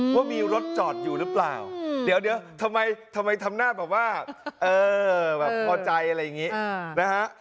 ว่ามีรถจอดอยู่หรือเปล่าเดี๋ยวทำไมทำหน้าแบบว่าเออแบบพอใจอะไรอย่างนี้นะฮะ